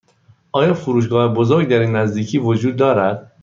آیا فروشگاه بزرگ در این نزدیکی وجود دارد؟